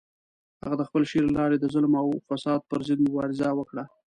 هغه د خپل شعر له لارې د ظلم او فساد پر ضد مبارزه وکړه.